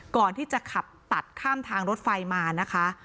ก่อนที่จะขับตัดข้ามทางรถไฟมานะคะ